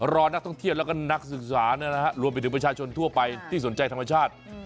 รอนักท่องเที่ยวแล้วก็นักศึกษารวมไปถึงประชาชนทั่วไปที่สนใจธรรมชาติ